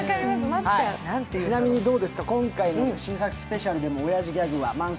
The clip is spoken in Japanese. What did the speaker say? ちなみに、今回の新作スペシャルでもおやじギャグは満載？